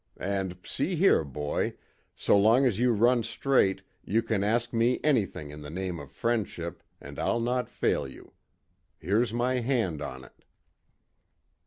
And see here, boy, so long as you run straight you can ask me anything in the name of friendship, and I'll not fail you. Here's my hand on it."